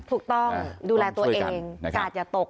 ถูกต้องดูแลตัวเองกาดอย่าตก